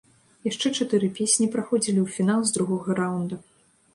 Яшчэ чатыры песні праходзілі ў фінал з другога раўнда.